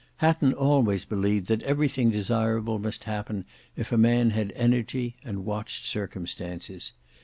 Hatton always believed that everything desirable must happen if a man had energy and watched circumstances.